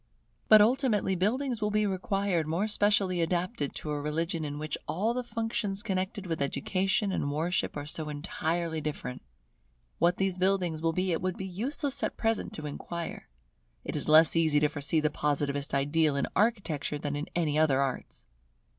But ultimately buildings will be required more specially adapted to a religion in which all the functions connected with education and worship are so entirely different. What these buildings will be it would be useless at present to inquire. It is less easy to foresee the Positivist ideal in Architecture than in any other arts.